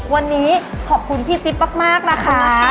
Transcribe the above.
วันนี้ขอบคุณพี่จิ๊บมากนะคะ